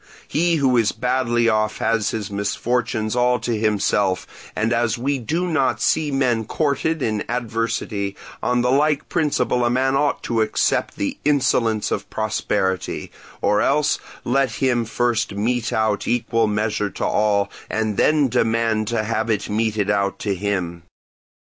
He who is badly off has his misfortunes all to himself, and as we do not see men courted in adversity, on the like principle a man ought to accept the insolence of prosperity; or else, let him first mete out equal measure to all, and then demand to have it meted out to him.